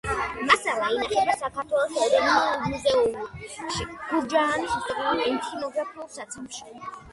მასალა ინახება საქართველოს ეროვნულ მუზეუმში გურჯაანის ისტორიულ-ეთნოგრაფიულ საცავში.